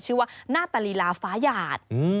ชื่อว่าหน้าตาลีลาฟ้าหยาด